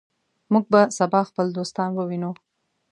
موږ به سبا خپل دوستان ووینو.